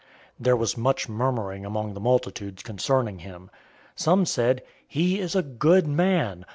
007:012 There was much murmuring among the multitudes concerning him. Some said, "He is a good man."